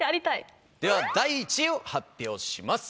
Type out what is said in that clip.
では第１位を発表します。